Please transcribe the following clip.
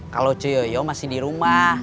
kalau ce yoyo masih di rumah